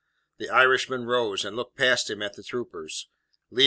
The Irishman rose, and looked past him at the troopers.